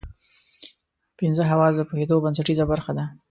پنځه حواس د پوهېدو بنسټیزه برخه ده.